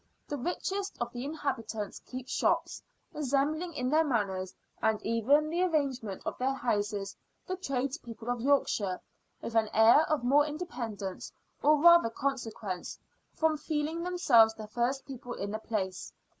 The richest of the inhabitants keep shops, resembling in their manners and even the arrangement of their houses the tradespeople of Yorkshire; with an air of more independence, or rather consequence, from feeling themselves the first people in the place.